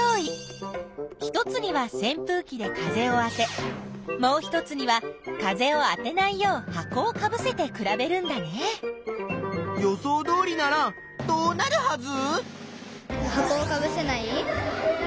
１つには扇風機で風をあてもう１つには風をあてないよう箱をかぶせて比べるんだね。予想どおりならどうなるはず？